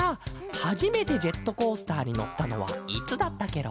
はじめてジェットコースターにのったのはいつだったケロ？